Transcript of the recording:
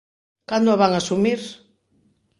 ¿Cando a van asumir?